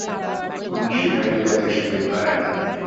কোন সিপাহী জাতীয় সংগীত পারে না?